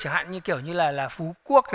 chẳng hạn như kiểu như là phú quốc